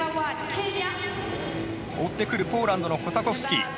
追ってくるポーランドのコサコフスキ。